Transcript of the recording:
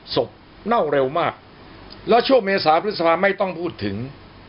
เน่าเร็วมากแล้วช่วงเมษาพฤษภาไม่ต้องพูดถึง